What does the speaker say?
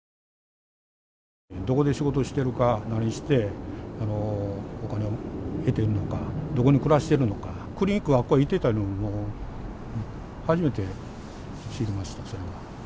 どこで仕事してるか、何してお金を得てるのか、どこに暮らしてるのか、クリニックに行ってたというのは、初めて知りました、それは。